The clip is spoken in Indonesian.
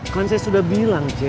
kan saya sudah bilang